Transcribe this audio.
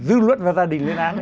dư luận vào gia đình lên án